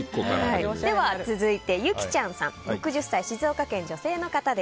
続いて６０歳、静岡県女性の方。